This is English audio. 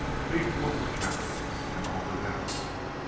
Lead forth the captives, and offer them up.